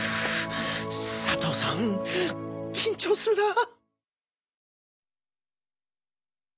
佐藤さん緊張するなぁ！